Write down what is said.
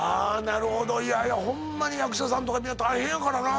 なるほどいやいやほんまに役者さんとか大変やからな